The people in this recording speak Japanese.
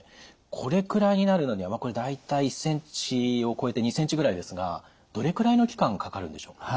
これくらいになるのにはこれ大体１ｃｍを超えて２ｃｍぐらいですがどれくらいの期間かかるんでしょうか？